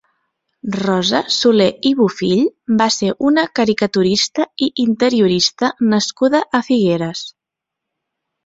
Rosa Soler i Bofill va ser una caricaturista i interiorista nascuda a Figueres.